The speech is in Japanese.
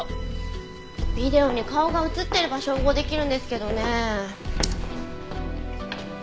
ビデオに顔が映ってれば照合出来るんですけどね。